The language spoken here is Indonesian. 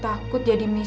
saya takut jadi miskin